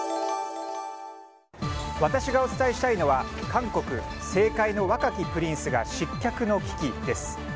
私がお伝えしたいのは韓国、政界の若きプリンスが失脚の危機です。